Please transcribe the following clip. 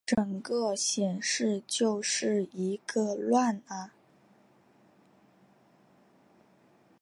整个显示就是一个乱啊